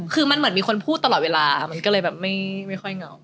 คือมันเหมือนมีคนพูดตลอดเวลามันก็เลยแบบไม่ค่อยเหงา